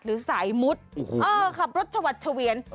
หรือสายมุดขับรถชวัดเฉวียน